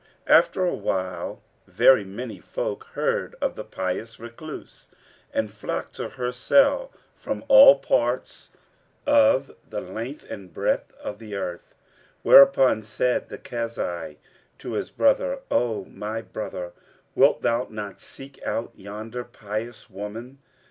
After awhile, very many folk heard of the pious recluse and flocked to her cell from all parts of the length and breadth of the earth; whereupon said the Kazi to his brother, "O my brother, wilt thou not seek out yonder pious woman?